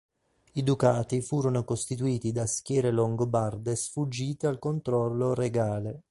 I ducati furono costituiti da schiere longobarde sfuggite al controllo regale.